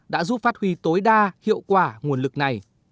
đã giúp phát huy tối đa hiệu quả nguồn lực này